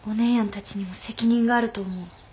たちにも責任があると思う。